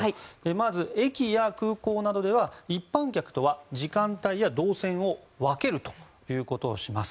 まず、駅や空港などでは一般客とは時間帯や、動線を分けるということをします。